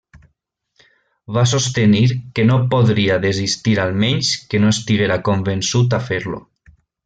Va sostenir que no podria desistir almenys que no estiguera convençut a fer-lo.